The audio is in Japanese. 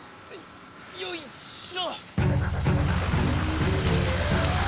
よいっしょ！